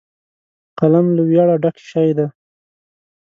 قلم له ویاړه ډک شی دی